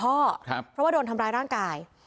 ครับแบบนั้นเพราะว่าโดนทำร้ายร่างกาย